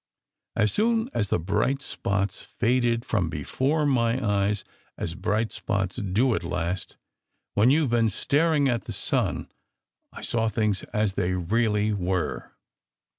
As soon as the bright spots faded from before my eyes, as bright spots do at last when you ve been staring at the sun, I saw things as they really were.